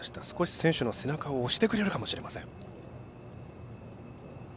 選手の背中を押してくれるかもしれません。